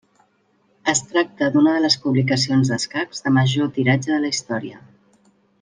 Es tracta d'una de les publicacions d'escacs de major tiratge de la història.